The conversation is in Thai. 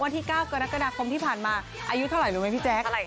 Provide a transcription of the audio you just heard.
ที่๙กรกฎาคมที่ผ่านมาอายุเท่าไหร่รู้ไหมพี่แจ๊ค